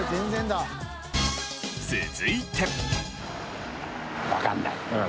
続いて。